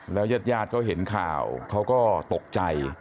แล้วยาดก็เห็นข่าวเขาก็ตกใจ